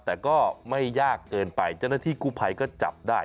แต่ก็ไม่ยากเกินไปเจ้าหน้าที่กู้ภัยก็จับได้